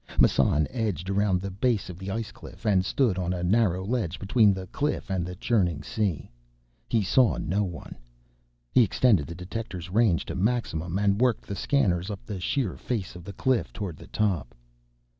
Massan edged around the base of the ice cliff, and stood on a narrow ledge between the cliff and the churning sea. He saw no one. He extended the detector's range to maximum, and worked the scanners up the sheer face of the cliff toward the top.